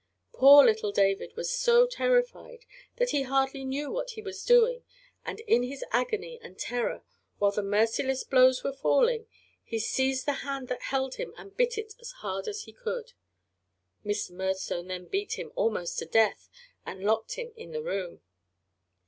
Poor little David was so terrified that he hardly knew what he was doing, and in his agony and terror, while the merciless blows were falling, he seized the hand that held him and bit it as hard as he could. Mr. Murdstone then beat him almost to death and locked him in the room.